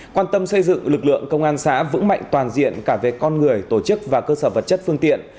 quan tâm xây dựng lực lượng công an xã vững mạnh toàn diện cả về con người tổ chức và cơ sở vật chất phương tiện